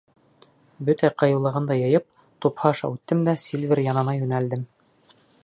Бөтә ҡыйыулығымды йыйып, тупһа аша үттем дә Сильвер янына йүнәлдем.